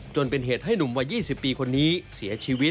จนเป็นเหตุให้หนุ่มวัย๒๐ปีคนนี้เสียชีวิต